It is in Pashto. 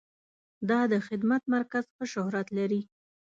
دا د خدمت مرکز ښه شهرت لري.